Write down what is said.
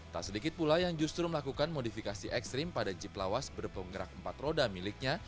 tak sedikit pula yang justru melakukan modifikasi ekstrim pada jeep lawas berpenggerak empat roda miliknya